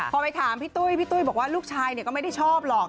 พอไปถามพี่ตุ้ยพี่ตุ้ยบอกว่าลูกชายก็ไม่ได้ชอบหรอก